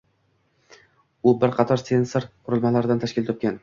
U bir qator sensor qurilmalardan tashkil topgan.